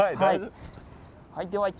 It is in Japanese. はい。